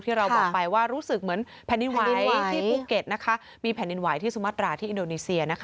เราบอกไปว่ารู้สึกเหมือนแผ่นดินไหวที่ภูเก็ตนะคะมีแผ่นดินไหวที่สุมัตราที่อินโดนีเซียนะคะ